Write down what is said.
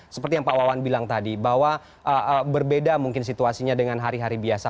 seperti yang pak wawan bilang tadi bahwa berbeda mungkin situasinya dengan hari hari biasa